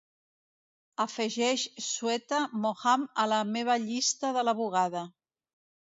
Afegeix shweta mohan a la meva llista de la bugada